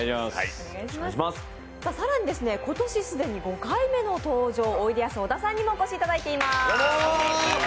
更に今年既に５回目の登場、おいでやす小田さんにもお越しいただいています。